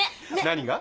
何が？